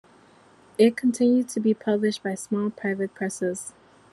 It continued to be published by small private presses.